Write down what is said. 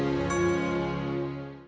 semuanya layani cepetan